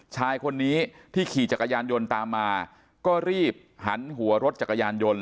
ชายคนนี้ที่ขี่จักรยานยนต์ตามมาก็รีบหันหัวรถจักรยานยนต์